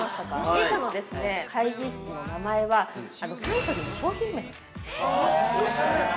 弊社の会議室の名前は、サントリーの商品名。◆おしゃれ。